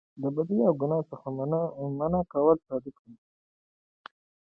د بدۍ او ګناه څخه منع کول صدقه ده